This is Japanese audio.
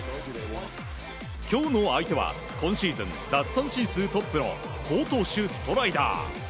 今日の相手は今シーズン奪三振数トップの好投手、ストライダー。